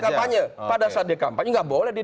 saat kampanye pada saat dia kampanye nggak boleh dia